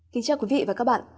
kính chào quý vị và các bạn